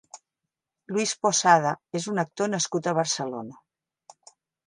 Luis Posada és un actor nascut a Barcelona.